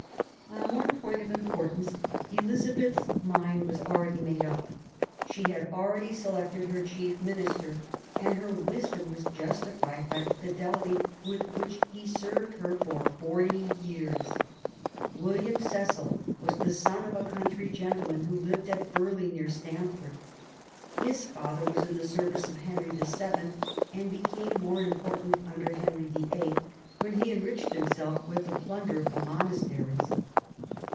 On one point of importance Elizabeth's mind was already made up. She had already selected her chief minister, and her wisdom was justified by the fidelity with which he served her for forty years. William Cecil was the son of a country gentleman who lived at Burghley, near Stamford. His father was in the service of Henry VII., and became more important under Henry VIII., when he enriched himself with the plunder of the monasteries.